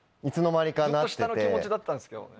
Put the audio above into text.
ずっと下の気持ちだったんですけどね。